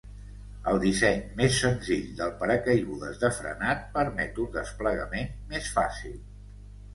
El disseny més senzill del paracaigudes de frenat permet un desplegament més fàcil.